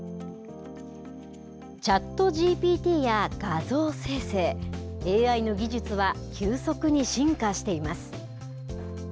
ＣｈａｔＧＰＴや画像生成、ＡＩの技術は急速に進化しています。